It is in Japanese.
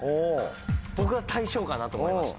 僕は大正かなと思いました。